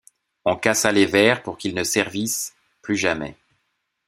On cassa les verres pour qu’ils ne servissent plus jamais.